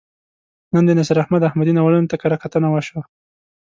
نن د نصیر احمد احمدي ناولونو ته کرهکتنه وشوه.